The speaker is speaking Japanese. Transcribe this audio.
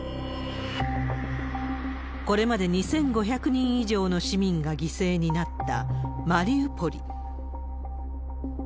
これまで２５００人以上の市民が犠牲になったマリウポリ。